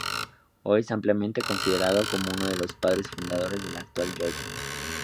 Hoy es ampliamente considerado como uno de los padres fundadores de la actual Georgia.